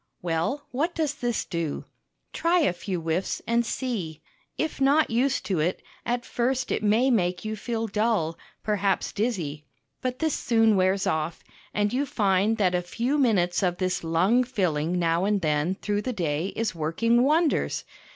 Well, what does this do? Try a few whiffs, and see. If not used to it, at first it may make you feel dull, perhaps dizzy. But this soon wears off, and you find that a few minutes of this lung filling now and then through the day is working wonders.